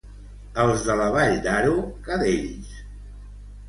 Els de la vall d'Aro, cadells.